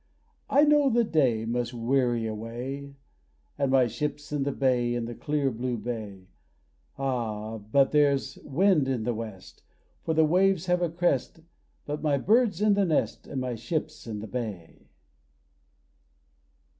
I know the day Must weary away, And my ship's in the bay, In the clear, blue bay, Ah! there's wind in the west, For the waves have a crest, But my bird's in the nest And my ship's in the bay!